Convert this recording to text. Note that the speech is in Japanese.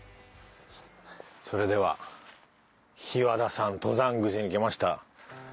それでは日和田山登山口に来ました。